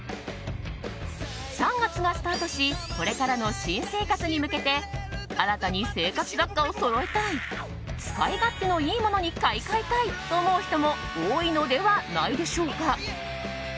３月がスタートしこれからの新生活に向けて新たに生活雑貨をそろえたい使い勝手のいいものに買い替えたいと思う人も多いのではないでしょうか。